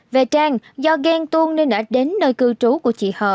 về trang do ghen tuôn nên đã đến nơi cư trú của chị h